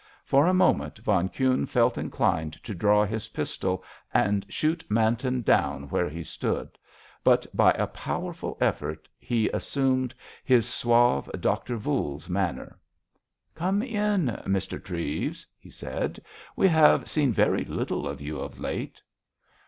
For a moment von Kuhne felt inclined to draw his pistol and shoot Manton down where he stood, but by a powerful effort he assumed his suave "Doctor Voules" manner. "Come in, Mr. Treves," he said. "We have seen very little of you of late."